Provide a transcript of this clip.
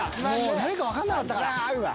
誰か分かんなかったから。